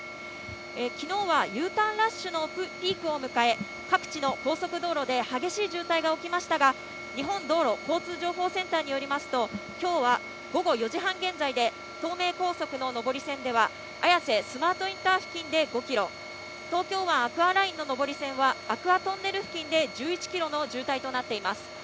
きのうはＵターンラッシュのピークを迎え、各地の高速道路で激しい渋滞が起きましたが、日本道路交通情報センターによりますと、きょうは午後４時半現在で、東名高速の上り線では綾瀬スマートインター付近で５キロ、東京湾アクアラインの上り線はアクアトンネル付近で１１キロの渋滞となっています。